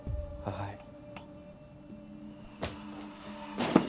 はい。